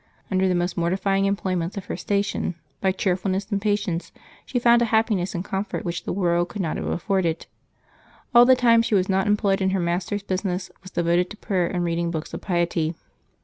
Under the most mortifying employments of her station, by cheerfulness and patience she found a happiness and com fort which the world could not have afforded. All the time she was not employed in her master's business was devoted to prayer and reading books of piety.